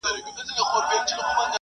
چوپتیا غوره مه ګڼئ.